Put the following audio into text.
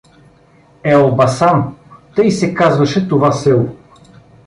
Елбасан — тъй се казваше това село.